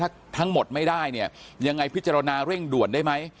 ถ้าทั้งหมดไม่ได้เนี่ยยังไงพิจารณาเร่งด่วนได้ไหม